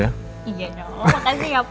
iya dong makasih ya papa